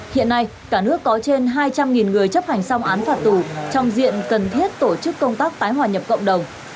hiện nay cả nước có trên hai trăm linh người chấp hành xong án phạt tù trong diện cần thiết tổ chức công tác tái hòa nhập cộng đồng